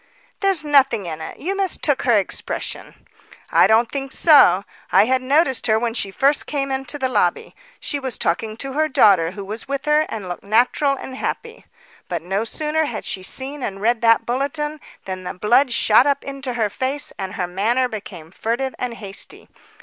"There's nothing in it. You mistook her expression." "I don't think so. I had noticed her when she first came into the lobby. She was talking to her daughter who was with her, and looked natural and happy. But no sooner had she seen and read that bulletin, than the blood shot up into her face and her manner became furtive and hasty.